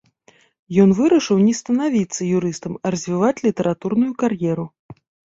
Ён вырашыў не станавіцца юрыстам, а развіваць літаратурную кар'еру.